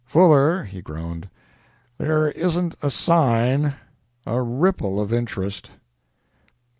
"Fuller," he groaned, "there isn't a sign a ripple of interest."